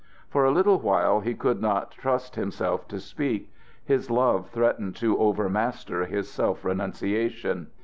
For a little while he could not trust himself to speak; his love threatened to overmaster his self renunciation.